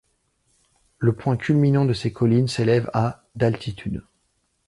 Le point culminant de ces collines s'élève à d'altitude.